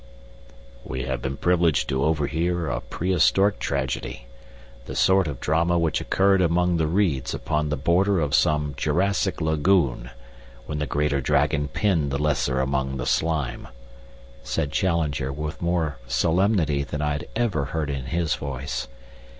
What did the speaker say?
"We have been privileged to overhear a prehistoric tragedy, the sort of drama which occurred among the reeds upon the border of some Jurassic lagoon, when the greater dragon pinned the lesser among the slime," said Challenger, with more solemnity than I had ever heard in his voice.